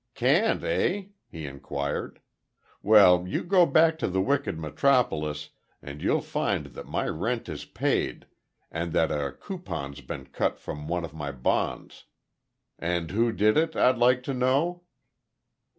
"Can't eh?" he inquired. "Well, you go back to the wicked metropolis and you'll find that my rent is paid and that a coupon's been cut from one of my bonds. And who did it, I'd like to know?"